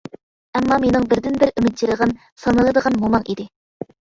ئەمما مېنىڭ بىردىن بىر ئۈمىد چىرىغىم سانىلىدىغان موماڭ ئىدى.